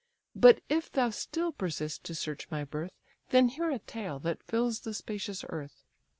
But if thou still persist to search my birth, Then hear a tale that fills the spacious earth.